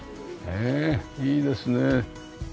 へえいいですね。